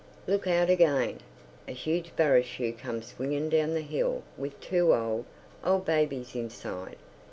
Look out again! A huge barouche comes swinging down the hill with two old, old babies inside.